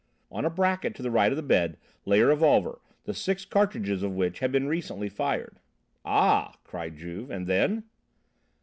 On a bracket to the right of the bed lay a revolver, the six cartridges of which had been recently fired." "Ah!" cried Juve. "And then?"